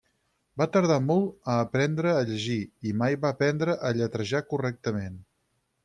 Va tardar molt a aprendre a llegir, i mai va aprendre a lletrejar correctament.